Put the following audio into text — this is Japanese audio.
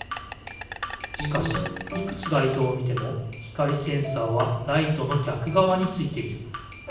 しかしいくつがいとうを見ても光センサーはライトのぎゃくがわについている。